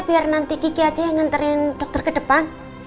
biar nanti kiki aja yang nganterin dokter ke depan